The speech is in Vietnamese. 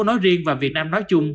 nói riêng và việt nam nói chung